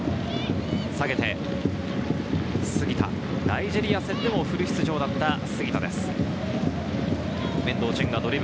ナイジェリア戦でもフル出場だった杉田です。